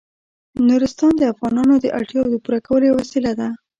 نورستان د افغانانو د اړتیاوو د پوره کولو یوه مهمه وسیله ده.